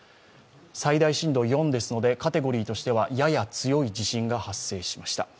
最大震度４ですので、カテゴリーとしてはやや強い地震が発生しました。